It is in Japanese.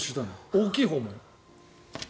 大きいほうも。